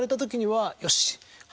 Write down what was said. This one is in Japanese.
「よし」。